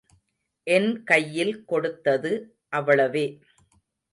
என் கையில் கொடுத்தது, அவ்வளவே.